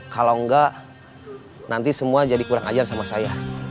kalau enggak nanti semua jadi kurang ajar sama saya